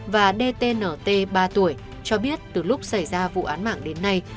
và dtnt ba tuổi cho biết từ lúc xảy ra vụ án mạng đến nay